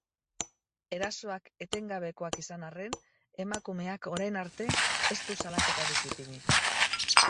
Erasoak etengabekoak izan arren, emakumeak orain arte ez du salaketarik ipini.